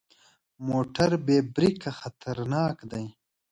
موټر بې بریکه خطرناک دی.